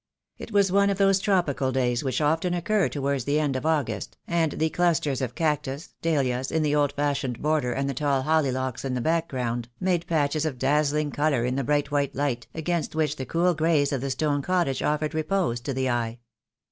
It was one of those tropical days which often occur towards the end of August, and the clusters of cactus, dahlias in the old fashioned border and the tall hollyhocks in the background, made patches of dazzling colour in the bright white light, against which the cool grays of the stone cottage offered repose to the eye.